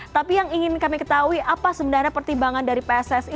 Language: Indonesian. tapi yang ingin kami ketahui apa sebenarnya pertimbangan dari pssi